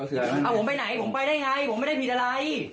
เอาผมไปไหนผมไปได้ไงผมไม่ได้ผิดอะไร